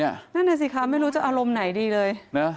นั่นน่ะสิคะไม่รู้จะอารมณ์ไหนดีเลยนะ